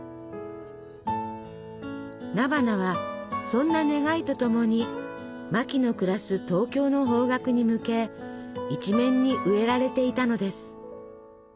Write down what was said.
菜花はそんな願いとともにマキの暮らす東京の方角に向け一面に植えられていたのです。